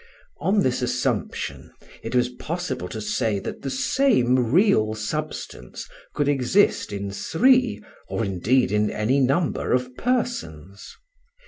On this assumption it was possible to say that the same real substance could exist in three, or indeed in any number of persons.